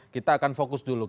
kita akan fokus dulu